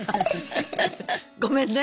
ごめんね。